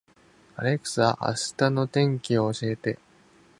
アレクサ、明日の天気を教えて